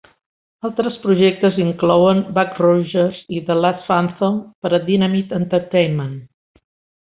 Altres projectes inclouen "Buck Rogers" i "The Last Phantom" per a Dynamite Entertainment.